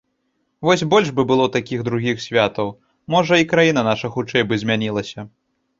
Вось больш бы было такіх другіх святаў, можа, і краіна наша хутчэй бы змянілася.